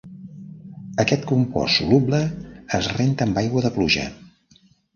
Aquest compost soluble es renta amb aigua de pluja.